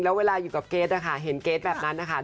แล้วเวลาอยู่กับเกรทนะคะเห็นเกรทแบบนั้นนะคะ